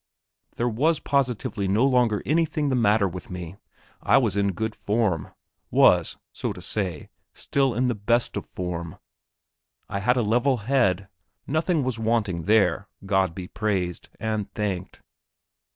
There was positively no longer anything the matter with me. I was in good form was, so to say, still in the best of form; I had a level head, nothing was wanting there, God be praised and thanked!